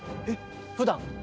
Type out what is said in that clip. えっふだん？